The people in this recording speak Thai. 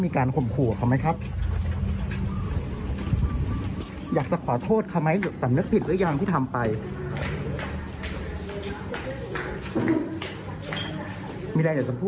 มีอะไรอยากจะพูดไหมครับพี่